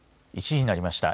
１時になりました。